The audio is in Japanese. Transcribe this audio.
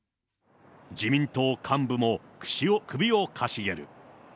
自民党幹部も首をかしげる。